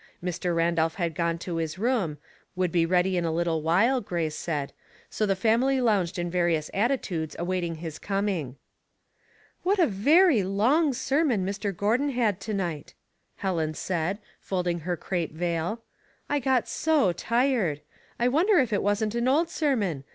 Mr. Randolph had gone to his room, would be ready in a little while, Grace said, so the family lounged in various attitudes awaiting his coming. '* What a very long sermon Mr. Gordon had to night !" Helen said, folding her crape vail. '* I got so tired. I wonder if it wasn't an old sermon?